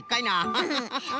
アハハハハ。